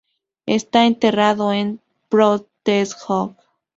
Está enterrado en Prostějov.